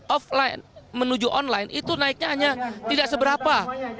offline menuju online itu naiknya hanya tidak seberapa